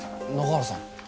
中原さん。